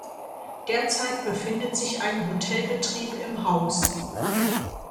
Derzeit befindet sich ein Hotelbetrieb im Haus.